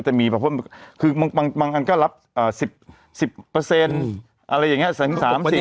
จะมีช่วงคือแม่งอันก็รับเอ่อสิบสิบเปอร์เซ็นต์อะไรอย่าง